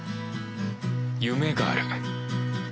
夢がある